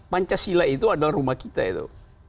pancasila itu adalah rumah kita itu